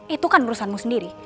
itu kan urusanmu sendiri